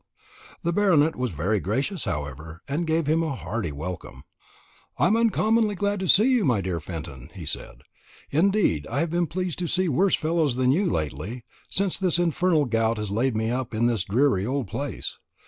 The Baronet was very gracious, however, and gave him a hearty welcome. "I'm uncommonly glad to see you, my dear Fenton," he said, "Indeed, I have been pleased to see worse fellows than you lately, since this infernal gout has laid me up in this dreary old place.